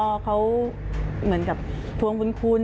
ข้อเขาเหมือนกับหวังคุณคือ